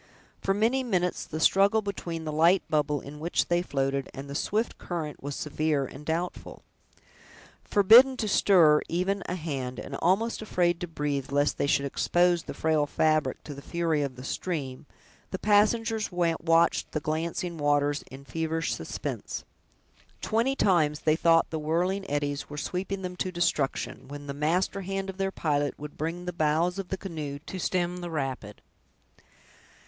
For many minutes the struggle between the light bubble in which they floated and the swift current was severe and doubtful. Forbidden to stir even a hand, and almost afraid to breath, lest they should expose the frail fabric to the fury of the stream, the passengers watched the glancing waters in feverish suspense. Twenty times they thought the whirling eddies were sweeping them to destruction, when the master hand of their pilot would bring the bows of the canoe to stem the rapid.